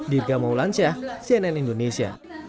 dirga maulansyah cnn indonesia